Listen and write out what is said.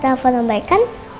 kamu udah telfon ombaikan